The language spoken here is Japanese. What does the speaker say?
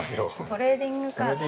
トレーディングカード。